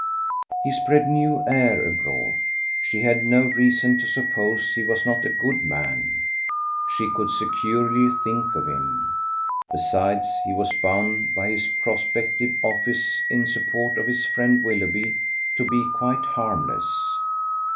He spread new air abroad. She had no reason to suppose he was not a good man: she could securely think of him. Besides he was bound by his prospective office in support of his friend Willoughby to be quite harmless.